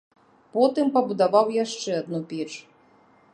Потым пабудаваў яшчэ адну печ.